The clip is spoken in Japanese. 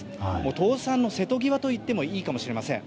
倒産の瀬戸際といってもいいかもしれません。